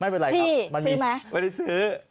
พี่ซื้อไหม